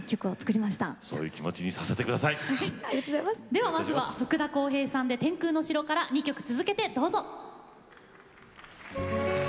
ではまずは福田こうへいさんで「天空の城」から２曲続けてどうぞ。